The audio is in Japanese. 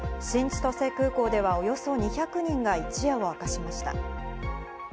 新千歳空港ではおよそ２００人が一夜を明かしました。